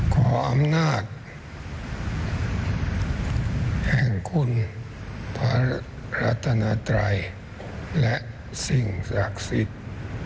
ขออำนาจแห่งคุณพระรัตนาไตรและสิ่งศักดิ์สิทธิ์